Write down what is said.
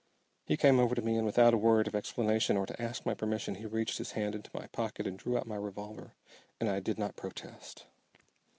He came over to me, and without a word of explanation or to ask my permission he reached his hand into my pocket and drew out my revolver, and I did not protest.